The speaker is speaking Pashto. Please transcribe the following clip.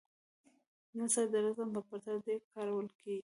نثر د نظم په پرتله ډېر کارول کیږي.